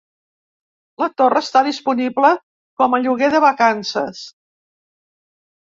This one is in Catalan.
La torre està disponible com a lloguer de vacances.